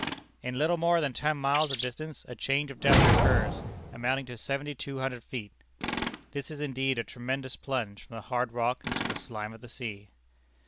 "In little more than ten miles of distance a change of depth occurs, amounting to seventy two hundred feet." This is indeed a tremendous plunge from the hard rock into the slime of the sea.